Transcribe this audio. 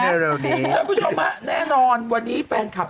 คุณผู้ชมฮะแน่นอนวันนี้แฟนคลับ